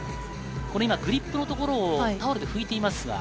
グリップのところをタオルで拭いていますが。